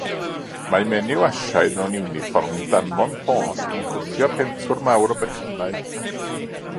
Mae menyw Asiaidd mewn iwnifform danfon post yn gwthio pentwr mawr o becynnau.